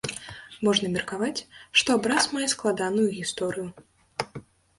Можна меркаваць, што абраз мае складаную гісторыю.